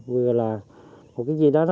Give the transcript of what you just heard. vừa là một cái gì đó